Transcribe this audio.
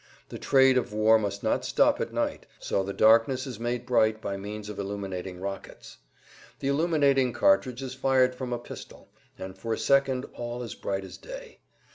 The trade of war must not stop at night; so the darkness is made bright by means of illuminating rockets. The illuminating cartridge is fired from a pistol, and for a second all is bright as day.